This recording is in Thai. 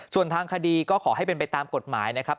ส่วนทางคดีก็ขอให้เป็นไปตามกฎหมายนะครับ